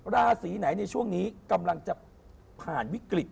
ราศีไหนในช่วงนี้กำลังจะผ่านวิกฤต